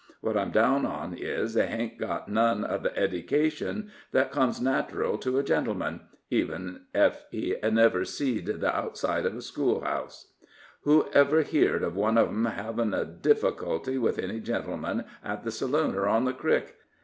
What I'm down on is, they hain't got none of the eddication that comes nateral to a gentleman, even, ef he never seed the outside of a schoolhouse. Who ever heerd of one of 'em hevin' a difficulty with any gentleman, at the saloon or on the crick?